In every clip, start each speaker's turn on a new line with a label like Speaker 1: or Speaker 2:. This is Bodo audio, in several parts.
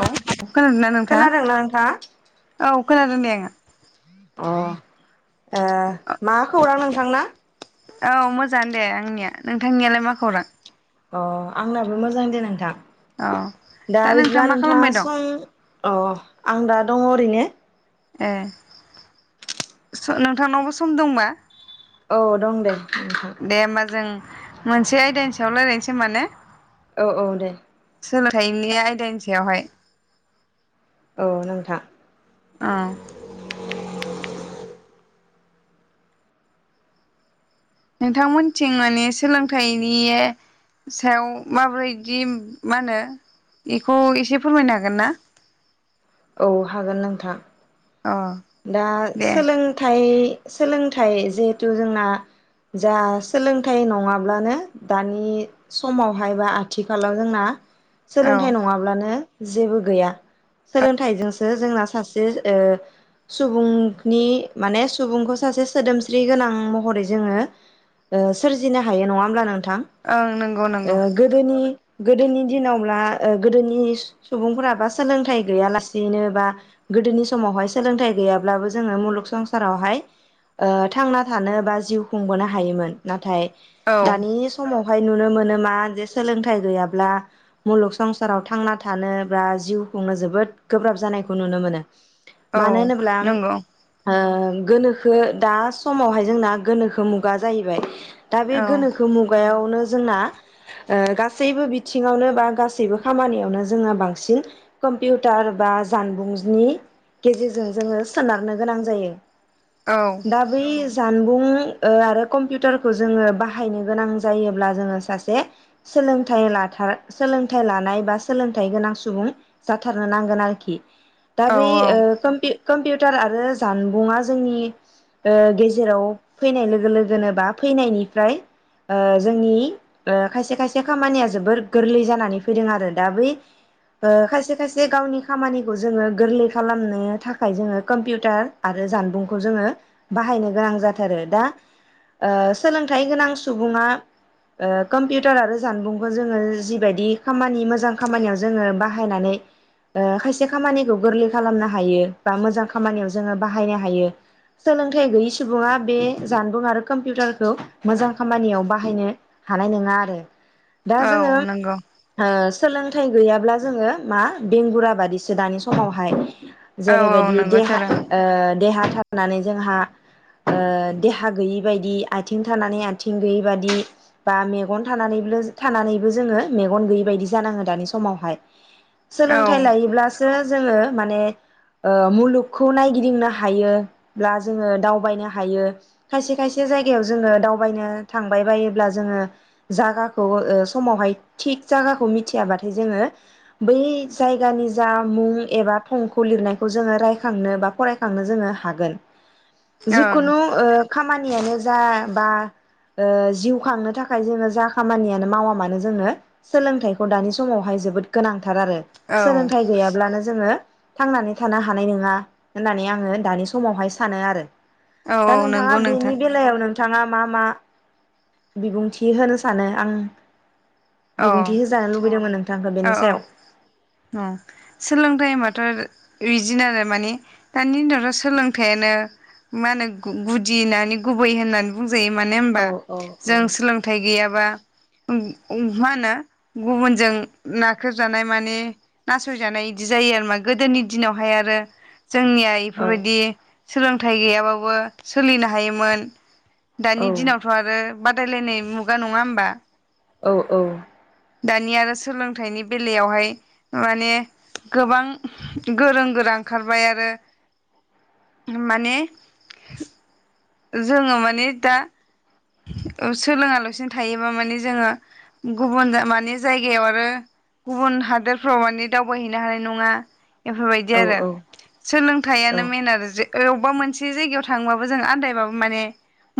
Speaker 1: औ खोनादोंना नोंथां?
Speaker 2: खोनादोंना नोंथाङा?
Speaker 1: खोनादों दे आङो।
Speaker 2: अ' ओ मा खौरां नों थांना
Speaker 1: औ मोजाङानो दे आंनिया नोंथांनियालाय मा खौरां
Speaker 2: अ आंनाबो मोजां दे नोंथां
Speaker 1: औ
Speaker 2: दा बिदिब्ला
Speaker 1: मा
Speaker 2: नोंथाङा
Speaker 1: खालामबाय दं
Speaker 2: सम अ आं दा दङ ओरैनो
Speaker 1: ए स नोंथांनावबो सम दंबा
Speaker 2: औ दं दे नोंथां
Speaker 1: दे होमबा जों मोनसे आयदानि सायाव रायलायनोसै होमबा ने
Speaker 2: औ औ दे
Speaker 1: सोलोंथाइनि आयदानि सायावहाय
Speaker 2: औ नोंथां
Speaker 1: औ नोंथांमोनथिं माने सोलोंथाइनि सायाव माब्रैदि मा होनो इखौ एसे फोरमायनो हागोन ना
Speaker 2: औ हागोन नोंथां
Speaker 1: अ
Speaker 2: दा
Speaker 1: दे
Speaker 2: सोलोंथाइ सोलोंथाइ जिहेथु जोंना जा सोलोंथाइ नङाब्लानो दानि समावहाय बा आथिखालाव जोंना
Speaker 1: औ
Speaker 2: सोलोंथाइ नङाब्लानो जेबो गैया सोलोंथाइजोंसो जोंना सासे ओ सुबुंनि माने सुबुंखौ सासे सोदोमस्रि गोनां महरै जोङो ओ सोरजिनो हायो नङा होमब्ला नों थां
Speaker 1: ओं नंगौ नंगौ
Speaker 2: ओ गोदोनि गोदोनि दिनावब्ला ओ गोदोनि सुबुंफोराबा सोलोंथाइ गैयालासेनो बा गोदोनि समावहाय सोलोंथाइ गैयाब्लाबो जोंङो मुलुग संसारावहाय ओ थांना थानो बा जिउ खुंबोनो हायोमोन नाथाय
Speaker 1: औ
Speaker 2: दानि समावहाय नुनो मोनो मा जे सोलोंथाइ गैयाब्ला मुलुग संसाराव थांना थानो बा जिउ खुंनो जोबोद गोब्राब जानायखौ नुनो मोनो
Speaker 1: औ
Speaker 2: मानो होनोब्ला
Speaker 1: नंगौ
Speaker 2: ओ गोनोखो दा समावहाय जोंना गोनोखो मुगा जाहैबाय दा बे
Speaker 1: औ
Speaker 2: गोनोखो मुगायावनो जोंना ओ गासैबो बिथिङावनो बा गासैबो खामानियावनो जोंङो बांसिन कम्पिउटार बा जानबुंनि गेजेरजों जोंङो सोनारनो गोनां जायो
Speaker 1: औ
Speaker 2: दा बै जान सुबुं आरो कम्पिउटारखौ जोंङो बाहायनो गोनां जायोब्ला जोंङो सासे सोलोंइ लाथार सोलोंथाइ लानाय बा सोलोंथायाइ गोनां सुबुं जाथारनो नांगोन आरोखि दा
Speaker 1: औ
Speaker 2: बे
Speaker 1: औ
Speaker 2: ओ कम कम्पिउटार आरो जानबुङा ओ जोंनि गेजेराव फैनाय लोगो लोगोनो बा फैनायनिफ्राय ओ जोंनि ओ खायसे खायसे खामानिया जोबोर गोरलै जानानै फैदों आरो दा बै ओ खायसे खायसे गावनि खामानिखौ जोङो गोरलै खालामनो था खाय जोङो कम्पिउटार आरो जानबुंखौ जोङो बाहायनो गोनां जाथारो दा ओ सोलोंथाइ गोनां सुबुङा ओ कम्पिउटार आरो जानबुंखौ जोङो जिबायदि खामानि मोजां खामानियाव जोङो बाहायनानै ओ खायसे खामानिखौ गोरलै खालामनो हायो बा मोजां खामानियाव जोंङो बाहायनो हायो सोलोंथाइ गैयि सुबुङा बे जानबुं आरो कम्पिउटारखौ मोजां खामानियाव बाहायनो हानाय नोङा आरो दा जोंङो
Speaker 1: औ नंगौ
Speaker 2: ओ सोलोंथाइ गैयाब्ला जोंङो मा बेंगुरा बादिसो दानि समावहाय
Speaker 1: औ औ
Speaker 2: जेरैबायदि देहा
Speaker 1: नंगौथारो
Speaker 2: ओ देहा जानानै जोंहा ओ देहा गैयै बायदि आथिं थानानै आथिं गैयै बादि बा मेगन थानानै थानानैबो जोङो मेगन गैयै बायदि जानाङो दानि समावहाय
Speaker 1: औ
Speaker 2: सोलोंथाइ
Speaker 1: ओं
Speaker 2: लायोब्लासो जोङो माने ओ मुलुगखौ नायगिदिंनो हायोब्ला जोङो दावबायनो हायो खायसे खायसे जायगायाव जोङो दावबायनो थांबाय बायोब्ला जोङो जागाखौ ओ समावहाय थिग जागाखौ मिथियाबाथाय जोङो बै जायगानि जा मुं एबा थंखौ लिरनाय खौ जोङो रायखांनो बा फरायखांनो जोङो हागोन
Speaker 1: औ
Speaker 2: जिखुनु ओ खामानियानो जा बा जिउ खांनो थाखाय जोंङो जा खामानियानो मावा मानो जोंङो सोलोंथाइखौ दानि समावहाय जोबोद गोनां आरो सोलोंथाइ
Speaker 1: औ
Speaker 2: गैयाब्लानो जोंङो थांनानै थानो हानाय नंङा होननानै आंङो दानि समावहाय सानो आरो दा
Speaker 1: औ
Speaker 2: नोंथाङा
Speaker 1: नंगौ
Speaker 2: बेनि
Speaker 1: नोंथां
Speaker 2: बेलायाव नों बिथाङा मा मा बिबुंथि होनो सानो आं
Speaker 1: औ
Speaker 2: बिबुंथि होजानो लुबैदोंमोन आं
Speaker 1: औ औ सोलोंथाइ माथ रिजिन आरो माने दानि उनावथ सोलोंथायानो मा होनो गुदि होनानि गुबै होननानै बुं बुंजायो मानो
Speaker 2: औ
Speaker 1: होमबा
Speaker 2: औ
Speaker 1: जों सोलोंथाय गैयाबा मा होनो गुबुनजों नाख्रेबजानाय माने नासयजानाय बिदि जायो आरोमा गोदोनि दिनावहाय आरो। जोंनिया
Speaker 2: औ
Speaker 1: इफोरबायदि सोलोंथाइ गैयाबाबो सोलिनो हायोमोन।
Speaker 2: औ
Speaker 1: दानि दिनावथ आरो ब बादायलायनाय मुगा नंङा होमबा।
Speaker 2: औ औ
Speaker 1: दानि आरो सोलोंथाइनि बेलायावहाय माने गोबां गोरों गोरा ओंखारबाय आरो माने जोंङो माने दा सोलोङालासिनो थायोबा माने जोङो गुबुन मानिे जायगायाव आरो गुबुन हादोरफ्राव मानिे दावबायहैनो हानाय नङा। बेफोरबायदि आरो
Speaker 2: औ
Speaker 1: सोलोंथाइयानो मेन आरो जे बबेबा मोनसे जायगायाव थांबाबो जों आदायबाबो माने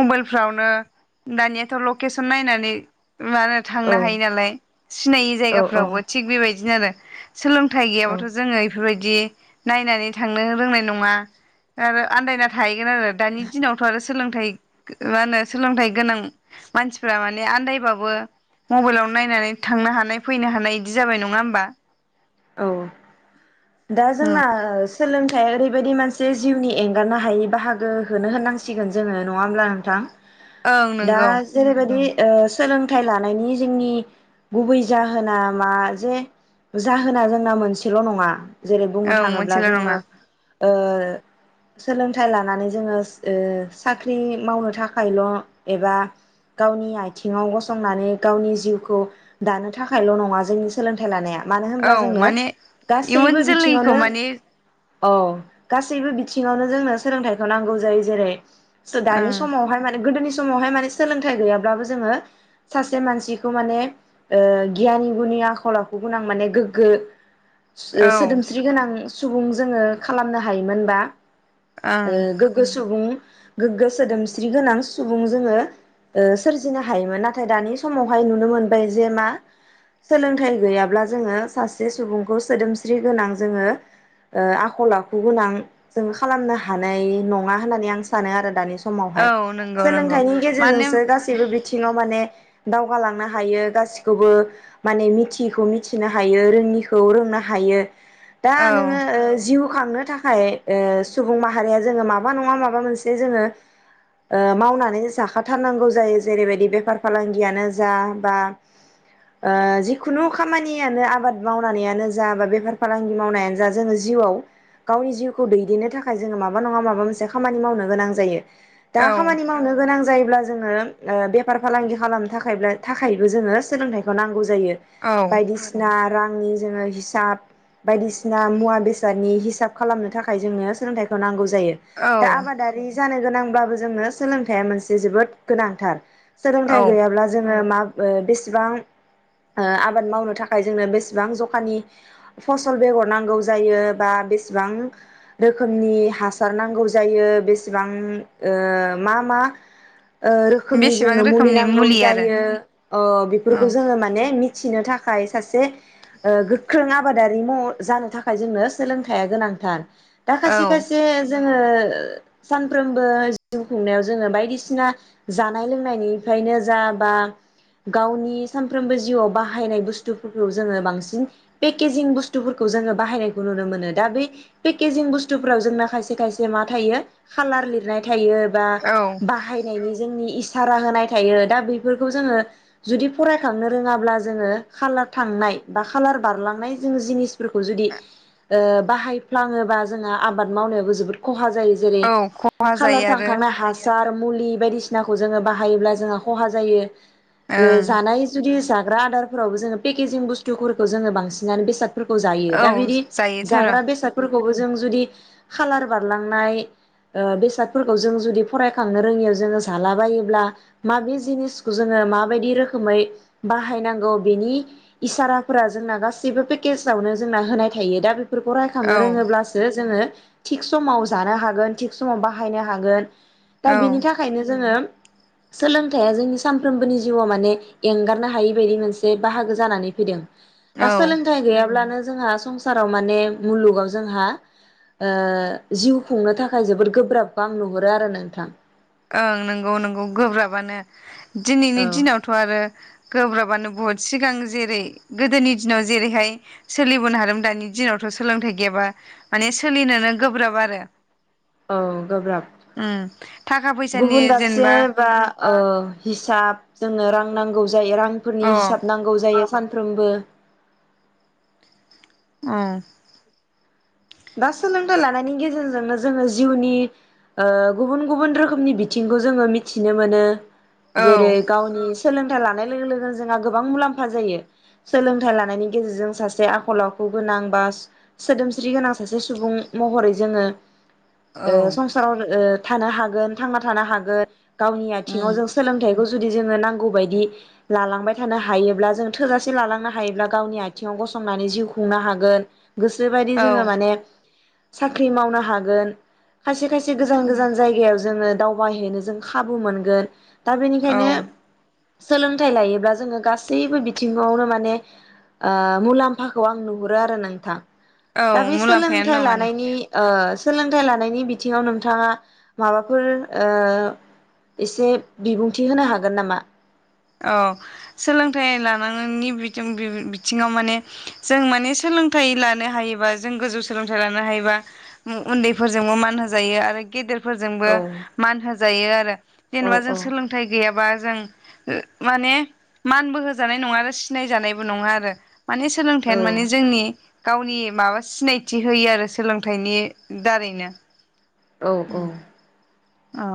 Speaker 1: मबाइलफ्रावनो दानियाथ' लकेसन नायनानै मा होनो थांनो हायो नालाय सिनायै
Speaker 2: औ
Speaker 1: जायगाफोरावबो थिग बेबायदिनो आरो सोलोंथाइ
Speaker 2: औ
Speaker 1: गैयाब्लााथ' जोंङो बेफोरबायदि बिदि नायनानै थांनो रोंनाय नङा आरो आन्दायना थायो। आरो दानि दिनावथ' आरो सोलोंथाइ माहोनो सोलोंथाइ गोनां मानसिफ्रा माने आन्दायबाबो मबाइलाव नायनानै थांनो हानाय फैनो हानाय बिदि जाबाय नङा होमबा
Speaker 2: औ दा जोंना ओ सोलों फ्राय ओरैबायदि मोनसे जिउनि एंगारनो हायै बाहागो खोनो होननांसिगोन जोङो नङा होमब्ला नोंथां?
Speaker 1: ओं
Speaker 2: दा
Speaker 1: नंगौ
Speaker 2: जेरैबायदि ओ सोलोंथाइ लानायनि जोंनि गुबै जाहोना मा जे जाहोना जोंना मोनसेल' नङा। जेरै
Speaker 1: औ
Speaker 2: बुंनो थाङोब्ला
Speaker 1: मोनसेल' नङा
Speaker 2: जोङो ओ सोलोंथाइ लानानै जोङो ओ साख्रि मावनो थाखायल' एबा गावनि आयथिङाव गसंनानै गावनि जिउखौ दानो थाखायल' नङा जोंनि सोलोंथाइ लानाया। मानो
Speaker 1: औ
Speaker 2: होनब्ला जोंनो
Speaker 1: माने
Speaker 2: गासैबो
Speaker 1: इयुन जोलैखौ
Speaker 2: बिथिङावनो
Speaker 1: माने
Speaker 2: औ गासैबो बिथिङावनो जोंनो सोलोंथाइखौ नांगौ जायो जेरै थ' दानि
Speaker 1: ओं
Speaker 2: समावहाय माने गोदोनि समावहाय माने सोलोंथाइ गैयाब्लाबो जोङो सासे मानसिखौ माने गियानि गुनि आखल आखु गोनां माने गोग्गो
Speaker 1: औ
Speaker 2: सो-सोदोमस्रि गोनां सुबुं जोङो खालामनो हायोमोन बा ओ
Speaker 1: ओं
Speaker 2: गोग्गो सुबुं गोग्गो सोदोमस्रि गोनां सुबुं जोङो ओ सोरजिनो हायोमोन, नाथाय दानि समावहाय नुनो मोनबाय जे मा सोलोंथाइ गैया ब्ला जोङो सासे सुबुंखौ सोदोमस्रि गोनां जोङो आखल आखु गोनां जो खालामनो हानाय नङा होननानै आं सानो आरो दानि स समावहाय।
Speaker 1: औ नंगौ नंगौ
Speaker 2: सोलोंथाइनि
Speaker 1: माने
Speaker 2: गेजेरजोंसो गासैबो बिथिङाव माने दावगालांनो हायो गासिखौबो माने मिथियैखौ मि थिनो हायो रोङिखौ रोंनो हायो। दा
Speaker 1: औ
Speaker 2: नोङो ओ जिउ खांनो थाखाय ओ सुबुं माहारिया जोङो माबा नङा माबा मोनसे जोङो ओ मावनानै जाखाथारनांगौ जायो जेरैबायदि बेफार फालांगियानो जा बा ओ जिखुनु खा खामानियानो आबाद मावनानैआनो जा बा बेफार फालांगि मावनायानो जा जोङो जिउआव गावनि जिउखौ दैदेननो थाखाय जोङो माबा नङा माबा मोनसे खामानि मावनो गोनां जायो। दा
Speaker 1: औ
Speaker 2: खामानि मावनो गोनां जा जायोब्ला जोंङो ओ बेफार फालांगि खालामनो थाखायब्ला थाखायबो जोङो सोलोंथाइखौ नांगौ जा जायो।
Speaker 1: औ
Speaker 2: बायदिसिना रांनि जोङो हिसाब बायदिसिना मुवा बेसादनि हिसाब खालामनो थाखाय जोंङो सोलोंथाइखौ नांगौ जा जायो। दा
Speaker 1: औ
Speaker 2: आबादारि जानो गोनां ब्लाबो जोंनो सोलोंथाइया मोनसे जोबोद गोनांथार। सोलोंथाइ
Speaker 1: औ
Speaker 2: गैयाब्ला जोङो मा ओ बेसेबां ओ आब आबाद मावनो थाखाय जोंनो बेसेबां ज'खानि फसल बेगर नांगौ जायो बा बेसेबां रोखोमनि हासार नांगौ जायो बेसेबां ओ मा मा ओ रोखोमनि
Speaker 1: बेसेबां
Speaker 2: जोंनो मुलि
Speaker 1: रोखोमनि
Speaker 2: नांगौ
Speaker 1: आरो
Speaker 2: जायो ओ बेफोरखौ
Speaker 1: औ
Speaker 2: जोङो माने मि थिनो थाखाय सासे ओ गोख्रों आबादारि म जानो थाखाय जोंनो सोलोंथाइया गोनांथार। दा खायसे
Speaker 1: औ
Speaker 2: खायसे जों जोङो सानफ्रोमबो जिउ खुंनायाव जोङो बायदिसिना जानाय लोंनायनिफ्रायनो जा बा गावनि सानफ्रोमबो जिउआव बाह बाहायनाय बुस्तुफोरखौ जोङो बांसिन पेकेजिं बुुस्टुफोरखौ जोङो बाहायनायखौ नुनो मोनो दा बै पेकेजिं बुस्टुफोरा जोंना खायसे खायसे मा थायो खालार लिरनाय था थायो बा
Speaker 1: औ
Speaker 2: बाहायनायनि जोंनि इसारा होनाय थायो दा बेैफोरखौ जोङो जुदि फरायखांनो रोङाब्ला जो जोङो खालार थांनाय बा खालार बारलांनाय जों जिनिस फोरखौ जुदि ओ बाहायफ्लाङोबा जोंहा आबाद मावनायाबो जोबोद खहा जा जायो जेरै
Speaker 1: औ खहा
Speaker 2: खालार
Speaker 1: जायो आरो
Speaker 2: थांखांनाय हासार मुलि बायदिसिनाखौ जोङो बाहायोब्ला जोंहा खहा जायो। ओ
Speaker 1: ओं
Speaker 2: जानाय जुदि रो आदारफोरावबो जोङो पेकेजिं बुस्थुफोरखौ जोङो बांसिनानो बेसाद फोरखौ जायो दा
Speaker 1: औ
Speaker 2: बिदि
Speaker 1: जायोथार'
Speaker 2: जाग्रा बेसादफोरखौबो जों जुदि खालार बारलांनाय ओ बेसादफोरखौ जों जुदि फरायखांनो रोङियाव जोङो जालाबायोब्ला माबे जिनिसखौ जोङो माबायदि रोखोमै बाहायनांगौ बेनि इसाराफोरा जोंना गासैबो पेकेजावनो जोंना होनाय थायो दा बे फोरखौ रायखांनो
Speaker 1: औ
Speaker 2: रोङोब्लासो जोङो थिग समाव जानो हागोन थिग समाव बाहायनो हागोन। दा बिनि
Speaker 1: औ
Speaker 2: थाखायनो जोङो सोलोंथाइया जोंनि सानफ्रोमबोनि जिउआव माने एंगार नो हायि बायदि मोनसे बाहागो जानानै फैदों। दा
Speaker 1: औ
Speaker 2: सोलोंथाइ गैयाब्लानो जोंहा संसाराव माने मुलुगाव जोंहा ओ जिउ खुंनो थाखाय जोबोद गोब्राब आं नुहुरो आरो नोंथां।
Speaker 1: ओं नोंगौ नोंगौ गोब्राबानो। दिनैनि
Speaker 2: औ
Speaker 1: दिनावथ आरो गोब्राबानो। बुहुद सिगां जेरै गोदोनि दिनाव जेरैहाय सोलिबोनो हादों दानि दिनावथ' सोलोंथाइ गैयाबा माने सोलिनोनो गोब्राब आरो।
Speaker 2: औ गोब्राब।
Speaker 1: उम थाखा फैसानि
Speaker 2: गुबुन दाबसे
Speaker 1: जेनेबा
Speaker 2: बा ओ हिसाब जोंनो रां नांगौ। जायो
Speaker 1: अ
Speaker 2: रांफोरनि हिसाब नांगौ जायो। सानफ्रोमबो
Speaker 1: ओम।
Speaker 2: दा सोलोंथाइ लानायनि गेजेरजोंनो जोङो जिउनि ओ गुबुन गुबुन रोखोमनि बिथिंखौ जोङो मिथिनो मोनो। जेरै
Speaker 1: औ
Speaker 2: गावनि सोलों थाय लानाय लोगो लोगोनो जोंहा गोबां मुलाम्फा जायो सोलोंथाइ लानायनि गेजेरजों सासे आखल आखु गोनां बा सोदोमस्रि गोनां सासे सुबुं महरै जोङो
Speaker 1: औ
Speaker 2: ओ संसाराव ओ थानो हागोन थांना थानो हागोन। गावनि आथिंआव
Speaker 1: उम
Speaker 2: जों सोलोंथाइखौ जुदि जोङो नांगौ बायदि लालांबाय थानो हायोब्ला जों थोजासे लालांनो हायोब्ला गावनि आथिङाव गसंनानै जिउ खुंनो हागोन। गोसो बायदि
Speaker 1: औ
Speaker 2: जोङो माने साख्रि मावनो हागोन। खायसे खायसे गोजान गोजान जायगायाव जोङो दावबायहैनो जों खाबु मोनगोन। दा
Speaker 1: औ
Speaker 2: बेनिखायनो सोलोंथाइ लायोब्ला जोङो गासैबो बिथिङावनो माने आ मुलाम्फाखौ आं नुहुरो आरो नोंथां।
Speaker 1: औ
Speaker 2: दा बे
Speaker 1: मुलाम
Speaker 2: सोलोंथाइ लानायनि ओ ओ सोलोंथाइ लानायनि बिथिङाव नोंथाङा माबाफोर ओ इसे बिबुंथि होनो हागोन नामा?
Speaker 1: अ सोलोंथाइ लानांनायनि बिथिं बि-बि-बिथिङाव माने जों माने सोलोंथाइ लानो हायोबा जों गोजौ सोलोंथाइ लानो हायोबा उन्दैफोरजोंबो मान होजायो आरो गेदेर फोरजोंबो
Speaker 2: औ
Speaker 1: मान होजायो आरो
Speaker 2: औ
Speaker 1: जेनेबा जों
Speaker 2: औ
Speaker 1: सोलोंथाइ गैयाबा जों उम माने मानबो होजानाय नङा आरो सिनाय जानायबो नङा आरो। माने सोलोंथाइआ
Speaker 2: औ
Speaker 1: माने जोंनि गावनि माबा सिनायथि होयो आरो सोलोंथाइनि दारैनो
Speaker 2: औ औ
Speaker 1: औ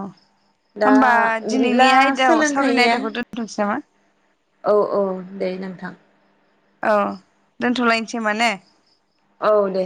Speaker 2: दा
Speaker 1: होमबा दिनैनि
Speaker 2: बिदिब्ला
Speaker 1: आयदाायाव सावरायनाय
Speaker 2: सोलोंथाइया
Speaker 1: आयदाखौथ' सेमा
Speaker 2: औ औ दे नोंथां।
Speaker 1: औ दोनथ'लायनोसै नामा ने?
Speaker 2: औ दे।